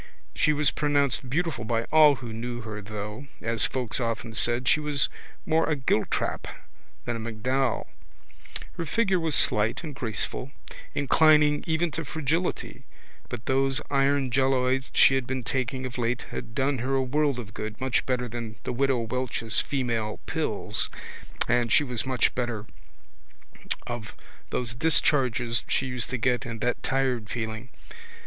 She was pronounced beautiful by all who knew her though, as folks often said, she was more a Giltrap than a MacDowell. Her figure was slight and graceful, inclining even to fragility but those iron jelloids she had been taking of late had done her a world of good much better than the Widow Welch's female pills and she was much better of those discharges she used to get and that tired feeling.